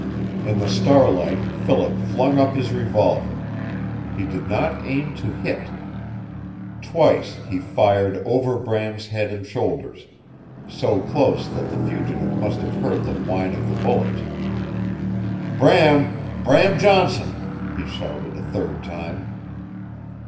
In the starlight Philip flung up his revolver. He did not aim to hit. Twice he fired over Bram's head and shoulders, so close that the fugitive must have heard the whine of the bullets. "Bram Bram Johnson!" he shouted a third time.